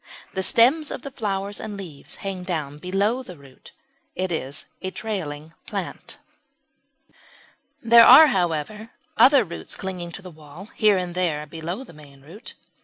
The stems with the flowers and leaves hang down below the root; it is a trailing plant. There are, however, other roots clinging to the wall here and there below the main root.